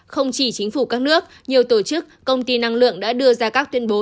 không chỉ chính phủ các nước nhiều tổ chức công ty năng lượng đã đưa ra các tuyên bố